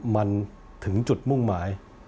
มันถึงจุดมุ่งหมาย